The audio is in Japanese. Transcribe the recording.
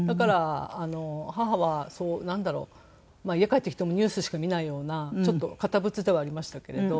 家帰ってきてもニュースしか見ないようなちょっと堅物ではありましたけれど。